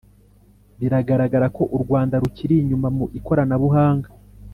biragaragara ko u Rwanda rukiri inyuma mu ikoranabuhanga